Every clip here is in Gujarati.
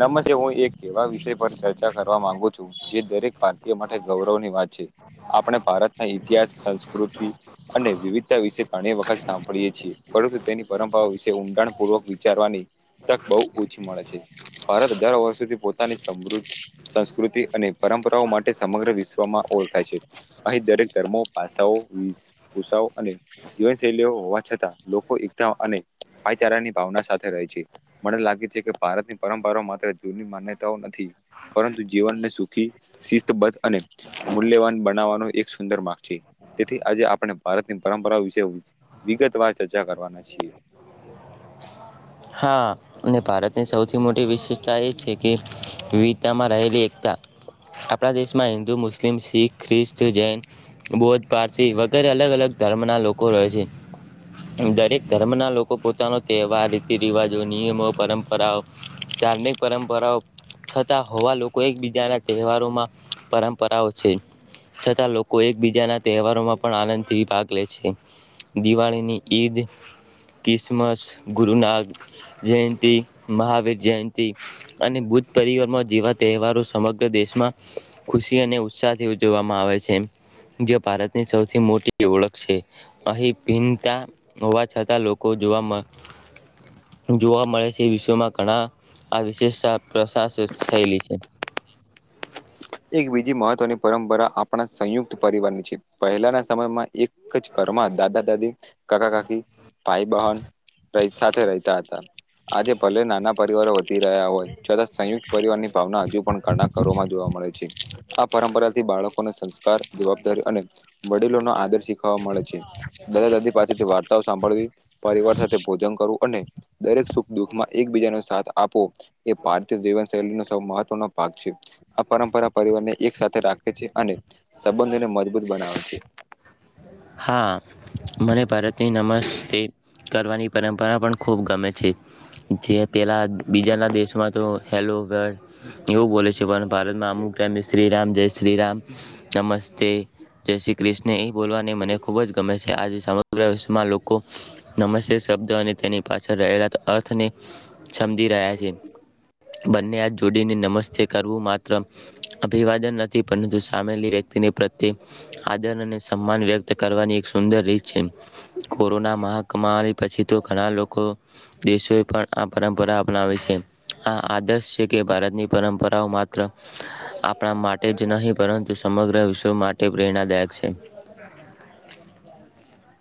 નમસ્તે. હું એક એવા વિષય પર ચર્ચા કરવા માંગુ છું, જે દરેક ભારતીય માટે ગૌરવની વાત. આપણે ભારતના ઇતિહાસ, સંસ્કૃતિ અને વિવિધતા વિશે ઘણી વખત સાંભળી. છીએ, પરંતુ તેની પરંપરા વિશે ઊંડાણ પૂર્વક વિચારવાની તક બહુ ઓછી મળે છે. ભારત હજારો વર્ષોથી પોતાની સમૃદ્ધ સંસ્કૃતિ અને પરંપરાઓ માટે સમગ્ર વિશ્વમાં ઓળખાય છે. અહીં દરેક ધર્મો પાસાઓ, ભૂષાઓ અને જીવનશૈલીઓ હોવા છતાં લોકો એકતા અને ભાઈચારા ની ભાવના સાથે રહે છે. મને લાગે છે કે ભારતની પરંપરા માત્ર જૂની માન્યતાઓ નથી. પરંતુ જીવનને સુખી, શિસ્તબદ્ધ અને મૂલ્યવાન બનાવવાનો એક સુંદર માર્ગ છે. તેથી આજે આપણે ભારતની પરંપરા વિશે વિગતવાર ચર્ચા કરવાના છીએ. [inaudible] હા, અને ભારતની સૌથી મોટી વિશેષતા એ છે કે વિવિધતામાં રહેલી એકતા. આપણા દેશમાં હિન્દુ, મુસ્લિમ, શીખ, ખ્રિસ્તી, જૈન, બૌદ્ધ, પારસી વગેરે અલગ-અલગ ધર્મ ના લોકો રહે છે. દરેક ધર્મ ના લોકો પોતાનો તહેવાર તિ-રીવાજો, નિયમો, પરંપરાઓ, ધાર્મિક પરંપરાઓ છતાં હોવા લોકો એકબીજાના તહેવારોમાં પરંપરાઓ છે. છતાં લોકો એકબીજાના તહેવારોમાં પણ આનંદથી ભાગ લે છે દિવાળીની ઈદ ક્રિસમસ ગુરુનાગ. જયંત મહાવીર જયંતિ અને બુદ્ધ પરિવાર માં જેવા તહેવારો. મગ્ર દેશમાં ખુશી અને ઉત્સાહથી ઉજવવામાં આવે છે. જે ભારતની સૌથી મોટી ઓળખ છે અહીં ભિન્નતા હોવા છતાં લોકો જોવામાં જોવા મળે છે વિશ્વમાં ઘણા આ વિશેષતા પ્રસાસ થયેલી છે. એક બીજી મહત્વની પરંપરા આપણા સંયુક્ત પરિવારની છે પહેલાના સમયમાં એક કજ કરમાં દાદા દાદી કાકા કાકી ભાઈ બહેન. સાથે રહેતા હતા આજે ભલે નાના પરિવારો વ તી રહ્યા હોય છતાં સંયુક્ત પરિવાર ની ભાવના હજુ પણ ઘણા કરમાં જોવા મળે. છે આ પરંપરાથી બાળકોને સંસ્કાર જવાબદારી અને વડીલોનો આદર શીખવા મળે છે. દાદા દાદી પાસેથી વાર્તાઓ સાંભળવી પરિવાર સાથે ભોજન કરવું અને દરેક સુખ દુખમાં એકબીજા નો સાથ આપો એ ભારતીય જીવન શૈલીનો સૌ મહત્વનો પાગ છે આપ પરંપરા પરિવારને એક સાથે રાખે છે અને સંબંધોને મજબૂત બનાવે છે. હા મને ભારતની નમસ્તે કરવાની પરંપરા પણ ખૂબ ગમે છે જે પેલા બીજાના દેશમાં તો હેલો. એવું બોલે છે પણ ભારતમાં અમુક ટાઈમે શ્રીરામ જય શ્રીરામ નમસ્તે. જય શ્રી કૃષ્ણ એ બોલવા મને ખૂબ જ ગમે છે આજે સમગ્ર વિશ્વમાં લોકો નમસ્ શબ્દ અને તેની પાછળ અર્થને સમજી રહ્યા છે બંને હાથ જોડીને નમસ્તે. કરવું માત્ર અભિવાદન નથી પરંતુ સામેલી વ્યક્તિને પ્રત્યે આદર અને સન્માન વ્યક્ત કરવાની એક સુંદર રીત છે કોરોના મહાકમાલ પછી તો ઘણા લોકો દેશો એ પણ આ પરંપરા અપનાવે છે આ આદર્શ છે કે ભારતની પરંપરાઓ માત્ર આપણા માટે જ નહીં પરંતુ સમગ્ર વિશ્વ માટે પ્રેરણાદાયક છે.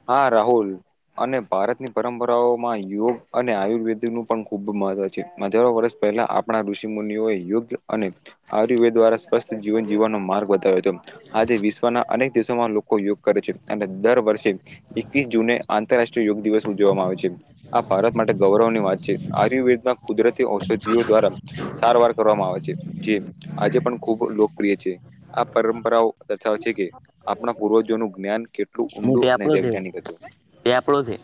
હા રાહુલ. અને ભારતની પરંપરાઓ માં યોગ અને આયુર્વેદ નું પણ ખુબ મહત્વ છે હજારો વર્ષ પહેલા આપણા ઋષિ મુનિઓ યોગ્ય અને આયુર્વેદ દ્વારા સ્ જીવન જીવવાનો માર્ગ બતાવ્યો હતો આજે વિશ્વના અનેક દેશોમાં લો કો યોગ કરે છે અને દર વર્ષે એકવીસ જૂને આંતરરાષ્ટ્રીય યોગ દિવસ ઉજવવામાં આવે છે. આ ભારત માટે ગૌરવની વાત છે આયુર્વેદમાં કુદરતી ઔષધિઓ દ્વારા સારવાર કરવામાં આવે છે જે આજે પણ ખુબ લોકપ્રિય છે. આ પરંપરાઓ દર્શાવે છે કે આપણા પૂર્વજોનું જ્ઞાન કેટલું હું તે ઊંડું અને આપડો થે વૈજ્ઞાનિક હતું. એ આપડો થે.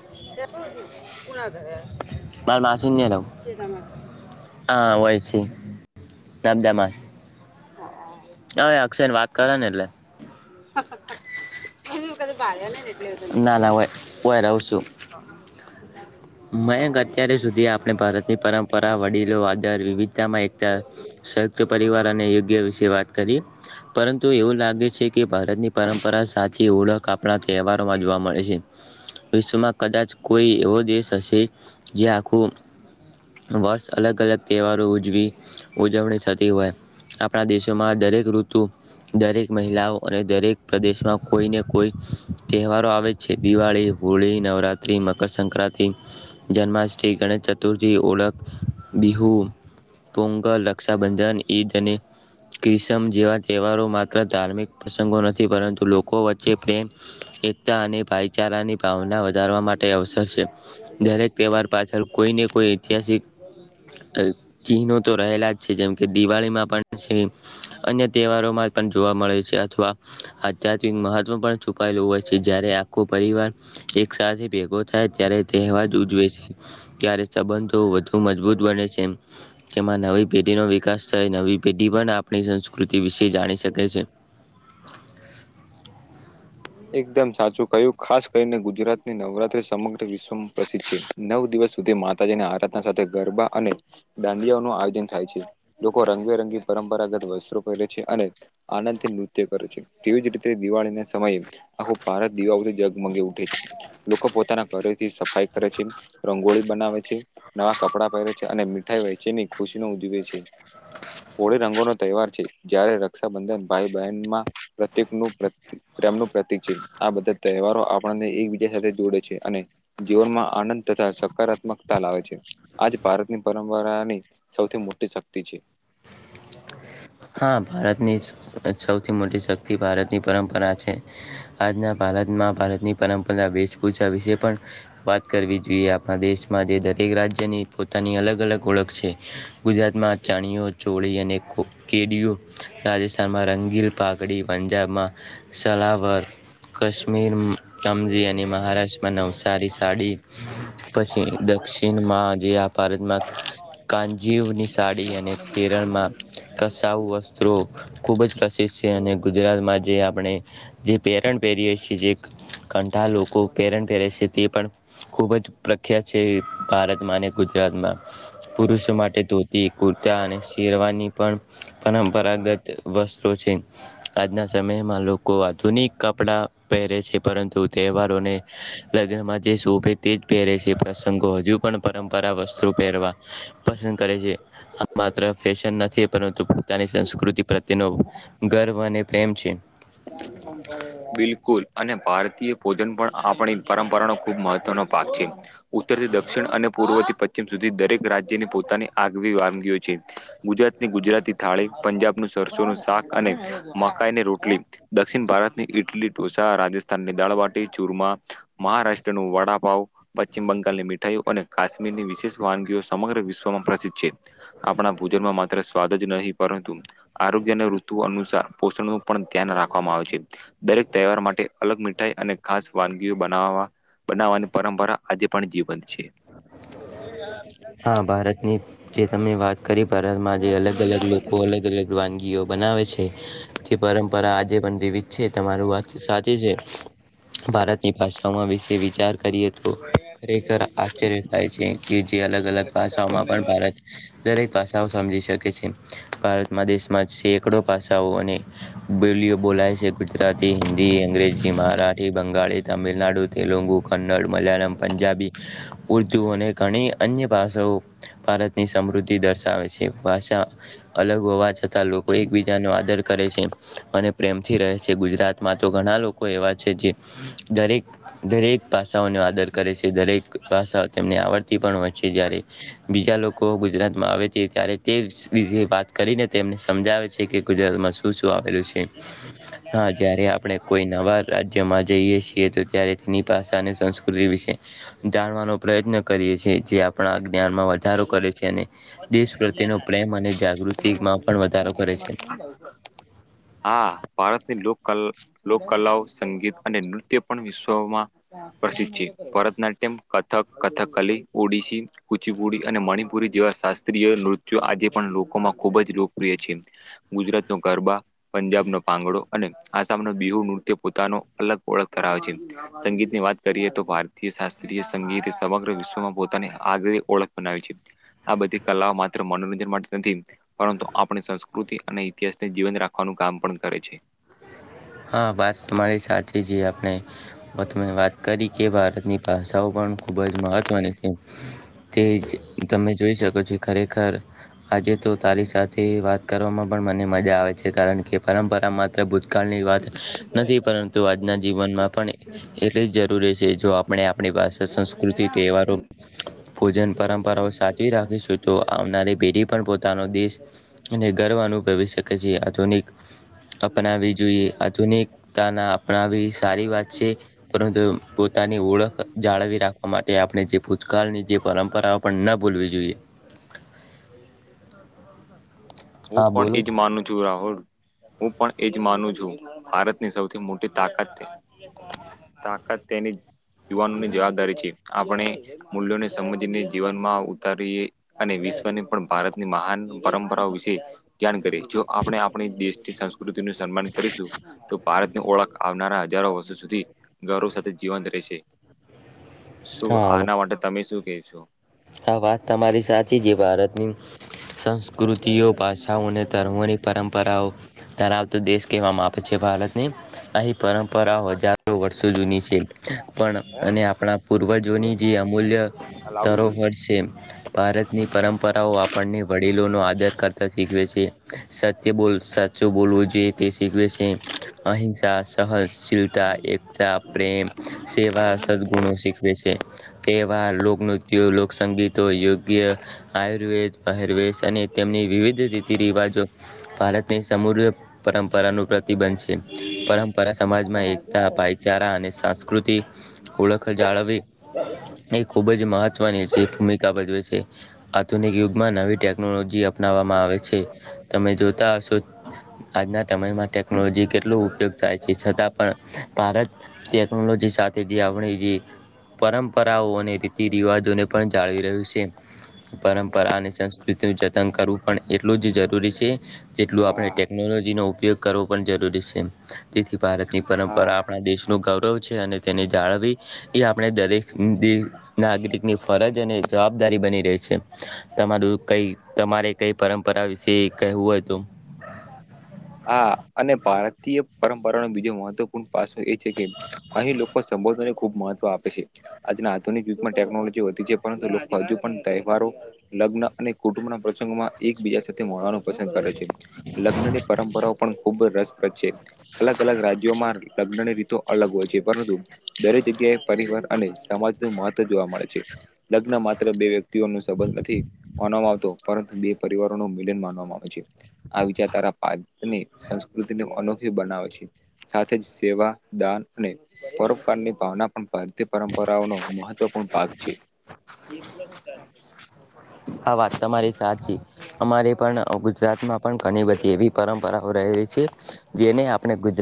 મા માછીને હ વય છે. [unintelligible] અ અક્ષર વાત કર ને એટલે. ના ના હોય રહુ છું. મયંક અત્યારે સુધી આપણે ભારતની પરંપરા વડીલો આદર વિવિધ માં એક સંયુક્ત પરિવાર અને યોગ્ય વિશે વાત કરી. પરંતુ એવું લાગે છે કે ભારતની પરંપરા સા. થી ઓળખ આપણા તહેવારોમાં જોવા મળે છે. વિશ્વમાં કદાચ કોઈ એવો દેશ હશે જે આખું. વર્ષ અલગ અલગ તહેવારો ઉજવી ઉજવણી થતી હોય. આપણા દેશોમાં દરેક ઋતુ દરેક મહિલાઓ અને દરેક પ્રદેશમાં. કોઈને કોઈ તહેવારો આવે છે દિવાળી હોળી નવરાત્રી મકરસક્રાંતિ. જન્માષ્ટમી ગણેશ ચતુર્થી ઓળખ બીહુ. પુંગ લક્ષા ભજન ઈ જને. ક્રિસમ જેવા તહેવારો માત્ર ધાર્મિક પ્રસંગો નથી પરંતુ લોકો. લોકો વચ્ચે પ્રેમ એકતા અને ભાઈચારાની. ભાવના વધારવા માટે અવસર છે દરેક તહેવાર પાછળ કોઈને કોઈ ઐતિહાસિક. ચિહનો તો રહેલા જ છે જેમ કે દિવાળીમાં પણ અન્ય તહેવારોમાં. પણ જોવા મળે છે અથવા અત્ય. મહવ પણ છુપાયેલું હોય છે જયારે આખો પરિવાર એક સાથે ભેગો થાય ત્યારેવા. ઉજવે છે ત્યારે સંબંધો વધુ મજબૂત બને છે તેમાં નવી પેઢીનો. વિકાસ થઈ નવી પેઢી પણ આપણી સંસ્કૃતિ વિશે જાણી શકે છે. [inaudible] એકદમ સાચું કહ્યું ખાસ કરીને ગુજરાતની નવરાત્રી સમગ્ર વિશ્વમાં પ્રસિદ્ધ છે નવ દિવસ સુધી માતાજીને આરાધના. સાથે ગરબા અને દાંડિયા નું આયોજન થાય છે લોકો રંગબેરંગી. પરંપરાગત વસ્ત્રો પહેરે છે અને આનંદ થી નૃત્ય કરે છે તેવીજ રીતે દિવાળી ના સમયે. આખો ભારત દિવાથી જગમગી ઉઠે છે. લોકો પોતાના ઘરેથી સફાઈ કરે છે રંગોળી બનાવે છે નવા કપડાં પહેરે છે. અને મીઠાઈ વયચેની ખુશી ન ઉવે છે. હોળી રંગો નો તહેવાર છે જયારે રક્ષાબંધન ભાઈ બહેનમાં પ્રત્યકનું પ્રેનું. પ્રતિક છે આ બધા તહેવારો આપણને એકબીજા સાથે જોડે છે અને જીવનમાં આનંદ તથા. હકારાત્મકતા લાવે છે આજ ભારતની પરંપરાની સૌથી મોટી શક્તિ છે. [inaudible] હા ભારતની સૌથી મોટી શક્તિ ભારતની પરંપરા છે આજના ભ. ભારતમાં ભારતની પરંપરા વેશભૂષા વિશે પણ વાત. કરવી જોઈએ આપણા દેશમાં જે દરેક રાજ્યની પોતાની અલગ અલગ ઓળખ છે. ગુજરાતમાં ચણઓ ચોળી અને ખ. કેડિયું રાજસ્થાનમાં રંગીલ પાઘડી પંજાબમાં સલાવર. કાશ્મીર કમજી અને મહારાષ્ટ્રમાં નવસારી સાડી પછી. દક્ષિણમાં જે આ ભારતમાં કાનજીવની સાડી અને કેરળમાં. કસાઉ વસ્ત્રો ખૂબ જ પ્રસિદ્ધ છે અને ગુજરાતમાં જે આપણે. જે પહેરણ પહેરીએ છીએ જે કંઠા લોકો પહેરણ પહેરે છે તે પણ. ખુબ જ પ્રખ્યાત છે ભારતમાં અને ગુજરાતમાં પુરુષો માટે ધોતી. કુર્તા અને શેરવાની. પણ પરંપરાગત વસ્ત્રો છે આજના સમયમાં લોકો આધુનિક. કપડા પહેરે છે પરંતુ તહેવારોને લગ્નમાં જે શોભે તે જ પહેરે છે. સંઘો હજુ પણ પરંપરા વસ્ત્રુ પહેરવા પસંદ કરે છે આ માત્ર ફેશન નથી. પરંતુ પોતાની સંસ્કૃતિ પ્રત્યેનો ગર્વ અને પ્રેમ છે. બિલકુલ અને ભારતીય. ભોજન પણ આપણી પરંપરાનો ખૂબ મહત્વનો ભાગ છે ઉત્તરથી દક્ષિણ અને પૂર્વથી. પશ્ચિમ સુધી દરેક રાજ્યની પોતાની આગવી વાનગીઓ છે ગુજરાતની ગુજરાતી થાળી પંજાબ. નું સરસોનુંું શાક અને મકાઈને રોટલી. દક્ષિણ ભારતની ઈટલી ઢોસા રાજસ્થાનની દાળવાટી ચુરમા મહારાષ્ટ્રનું વડાપ. પશ્ચિમ બંગાળની મીઠાઈઓ અને કાશ્મીરની વિશેષ વાનગીઓ સમગ્ર વિશ્વમાં પ્રસિદ્ધ છે. આપણા ભોજનમાં માત્ર સ્વાદ જ નહીં પરંતુ આરોગ્ય અને ઋતુ અનુસાર પોષણ પણ. ધ્યાન રાખવામાં આવે છે. દરેક તહેવાર માટે અલગ મીઠાઈ અને ખાસ વાનગી બનાવવા બનાવવાની પરંપરા આજે પણ જીવંત છે. હા, ભારતની જે તમે વાત કરી ભારત માં જે અલગ-અલગ લોકો અલગ-અલગ વાનગીઓ બનાવે છે, થી પરંપરા આજે પણ જીવિત છે, તમારું વાત સાચી છે. ભારતની ભાષામાં વિશે વિચાર કરીએ તો ખરેકખર આ ચાર્ય થાય છે, કે જે અલગ અલગ ભાષાઓમાં પણ ભારત દરેક ભાષાઓ સમજી શ કે છે. ભારતમાં દેશમાં સેંકડો ભાષઓ અને બોલીઓ બોલાય છે. ગુજરાત હિન્દી, અંગ્રેજી, મરાઠી, બંગાળી, તમિલનાડુ તેલુગુ, કન્નડ, મલયાળમ, પંજાબી, ઉર્દુ અને ઘણી અન્ય ભાષાઓ ભારતની સમૃદ્ધિ દર્શાવે છે. ભાષા અલગ હોવા છતાં લોકો એકબીજાનો આદર કરે છે અને પ્રેમથી રહે છે. ગુજરાતમાં તો ઘણા લોકો એવા છે જે દરેક દરેક ભાષાઓનો આદર કરે છે. દરેક ભાષાઓ તેમને આવડતી પણ હોય છે, જ્યારે બીજા લોકો ગુજરાતમાં આવે છે ત્યારે તે [unintelligible] વાત કરીને તેમને સમજાવે છે કે ગુજરાતમાં શું શું આવેલું છે. હા, જયારે આપણે કોઈ નવા રાજ્યમાં જઈએ છીએ તો ત્યારે તેની ભાષા અને સંસ્કૃતિ વિશે [unintelligible] નો પ્રયત્ન કરીએ છીએ. જે આપણા જ્ઞાનમાં વધારો કરે છે અને દેશ પ્રત્યેનો પ્રેમ અને જાગૃતિમાં પણ વધા હા, ભારતે લોક કલ, લોક કલાઓ સંગીત અને નૃત્ય પણ વિશ્વમાં પ્રસિદ્ધ છે. ભારતના તેમ કથક, કથકલી ઓડિશી, કુચીપુડી અને મણિપુરી જેવા શાસ્ત્રીય નૃત્યો આજે પણ લોકોમાં ખૂબજ લોકપ્રિય છે. [unintelligible] ગુજરાત નો ગરબા, પંજાબ નો પાંગડો અને આસામ ન બિહુ નૃત્ય પોતાનો અલગ ઓળખ કરાવ છે. સંગીતની વાત કરીએ તો ભારતીય શાસ્ત્રીય સંગીત સમગ્ર વિશ્વમાં પોત અને [unintelligible] થી ઓળખ બનાવે છે. આ બધી કલા માત્ર મનોરંજન માટે નથી, પરંતુ આપણે સંસ્કૃતિ અને ઇતિહાસને જીવંત રાખવાનું કામ પણ કરે છે. હા, વાત તમારી સાચી જે આપને બ તમે વાત કરી કે ભારતની ભાષાઓ પણ ખુબ જ મહત્વની છે. તેજ તમે જોઈ શકો છો, ખરેકખર આજે તો તારી સાથે વાત કરવામાં પણ મને મજા આવે છે, કારણ કે પરંપરા માત્ર ભૂતકાળની વાત નથી પરંતુ આજના જીવનમાં પણ એટલી જ જરૂરી છે, જો આપણે આપણી પાસે સંસ્કૃતિ તહેવારો ભોજન પરંપરાઓ સાચવી રાખીશું, તો આવનારી પેઢી પણ પોતાનો દેશ એને ગર્વ અનુભવી શકે છે, આધુનિક અપનાવી જોઈએ, આત આધુનિકતાના અપનાવી સારી વાત છે, પરંતુ પોતાની ઓળખ જાળવી રાખવા માટે આપણે જે ભૂતકાળની જે પરંપરાઓ પણ ન ભૂલવી જોઈએ. [inaudible] હું હા પણ બોલો એજ માનું છું, રાહુલ. હું પણ એજ માનું છું. ભારતની સૌથી મોટી તાકાત તાકાત તેની જ યુવાનો ની જવાબદારી છે. આપણે મૂલ્યોને સમજીને જીવનમાં ઉતારીએ અને વિશ્વની પણ ભારતની મહાન પરંપરાઓ વિશે ધ્યાન કરીએ. જો આપણે આપણી દેશની સંસ્કૃતિ નું સન્માન કરીશું, તો ભારત ની ઓળખ આવનારા હજારો વર્ષો સુધી, ગૌરવ સાથે જીવંત રહેશે. શું હા આના માટે, તમે શું કેવ છો? આ વાત તમારી સાચી છે. ભારતની સંસ્કૃતિઓ ભાષાઓ અને ધર્મોની પરંપરાઓ ધરાવતો દેશ કહેવામાં આપે છે, ભારતને. અહીં પરંપરાઓ હજારો વર્ષો જૂની છે, પણ અને આપણા પૂર્વજોની જે અમૂલ્ય ધરોફ. [inaudible] ભારતની પરંપરાઓ આપણને વડીલોનો આદર કરતા શીખવે છે. સત્ય બોલ સાચું બોલવું જે તેેશસે અહિંસા સહનશીલતા એકતા પ્રેમ સેવા સદગુણો શીખવે છે તહેવાર લોકનૃત્યો લોકસંગીત તો યોગ્ય આયુર્વેદ પહેરવેશ અને તેમની વિવિધ રીતિ રિવાજો ભારતની સમુદ્ર પરંપરાનું પ્રતિ બન છે પરંપરા સમાજમાં એકતા ભાઈચારા અને સંસ્કૃતિ ઓળખ જાળવી એ ખુબ જ મહત્વની છે. ભૂમિકા ભજવે છે આધુનિક યુગમાં નવી ટેકનોલોજી અપનાવવામાં આવે છે તમે જો. [inaudible] આજના સમયમાં ટેકનોલોજી કેટલો ઉપયોગ થાય છે છતાં પણ ભારત ટેક્નોલોજી સાથે જે આપણી જે પરંપરાઓ અને રીતિ રિવાજોને પણ જાળવી રહ્યું છે પરંપરા અને સંસ્કૃતિ. જતન કરવું પણ એટલું જ જરૂરી છે જેટલું આપણે હા ટેકનોલોજીનો ઉપયોગ કરવો પણ જરૂરી છે તેથી ભારતની હા પરંપરા આપણા દેશ. નું ગૌરવ છે અને તેને જાળવી એ આપણે દરેક નાગરિકની ફરજ અનેજબ ારી બની રહી છે તમારું કઈ તમારે કઈ પરંપરા વિશે કહેવું હોય તો. હા અને ભારતીય પરંપરા ન બીજો મહત્વપૂર્ણ પાસ એ છે કે અહીં લોકો સંબોધવા ખૂબ મહત્વ આપે છે આજના આધુિક યુગ માં ટેકનોલોજી વધી છે પરંતુ લોકો હજુ પણ તહેવારો લગ્ન અને કુટુંબના પ્રસંગોમાં એકબીજા સાથે મળવાનું પસંદ કરે છે લગ્નને પરંપરાઓ પણ ખૂબ રસપ્રદ છે અલગ અલગ રાજ્યોમાં લગ્નની રીતો અલગ હોય છે પરંતુ. દરેક જગ્યાએ પરિવાર અને સમાજ ન મહત્વ જોવા મળે છે લગ્ન માત્ર બે વ્યક્તિઓસ નથી માનવામાં આવતો પરંતુ બે પરિવારો ન મિલન માનવામાં આવે છે આ વિચારારા સંસ્કૃતિ અનોખી બનાવે છે સાથે જ સેવા દાન અને પરપકાળની ભાવના પણ ભારતીય પરંપરાઓનો મહત્વપૂર્ણ ભાગ છે. એકલો જ હા વાત તમારી સાચી અમારી પણ ગુજરાતમાં પણ ઘણી બધી એવી પરંપરાઓ રહેલી છે જેને આપણે ગુજરા